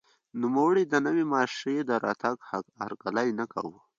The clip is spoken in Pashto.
نوموړي د نوې ماشیۍ د راتګ هرکلی نه کاوه.